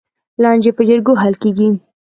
لانجې په جرګو حل کېږي.